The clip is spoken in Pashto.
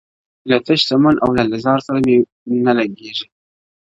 له تش چمن او لاله زار سره مي نه لګیږي!